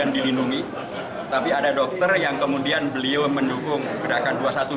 nah ini bagaimana